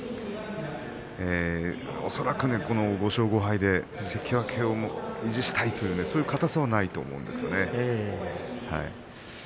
恐らく５勝５敗で関脇を維持したいというそういう硬さはないと思います。